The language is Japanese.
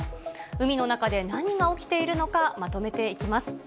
海の中で何が起きているのか、まとめていきます。